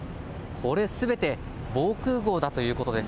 これすべて、防空ごうだということです。